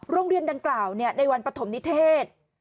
โรงเรียนดังกล่าวในวันปฐมนิเทศ